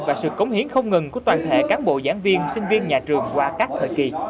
và sự cống hiến không ngừng của toàn thể cán bộ giảng viên sinh viên nhà trường qua các thời kỳ